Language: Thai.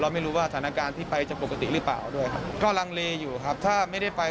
เอาล่ะรอรุ่นต่อไป